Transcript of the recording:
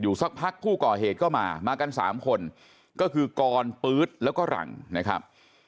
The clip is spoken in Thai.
สักพักผู้ก่อเหตุก็มามากันสามคนก็คือกรปื๊ดแล้วก็หลังนะครับ